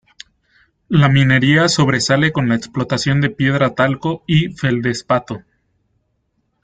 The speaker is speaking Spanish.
La minería sobresale con la explotación de piedra talco y feldespato.